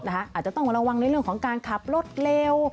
อาจจะต้องระวังในเรื่องของการขับรถเร็ว